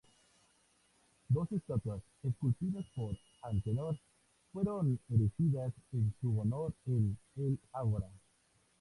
Dos estatuas, esculpidas por Antenor, fueron erigidas en su honor en el Ágora.